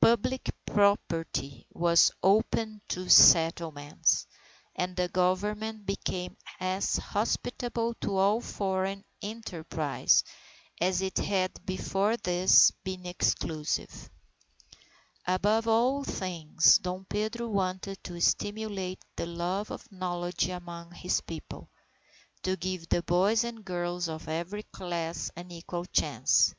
Public property was opened to settlement, and the Government became as hospitable to all foreign enterprise as it had before this been exclusive. Above all things, Dom Pedro wanted to stimulate the love of knowledge among his People, to give the boys and girls of every class an equal chance.